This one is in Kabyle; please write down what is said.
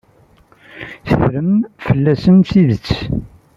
Teffrem fell-asen tidet.